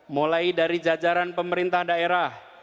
mulai dari jajaran pemerintah daerah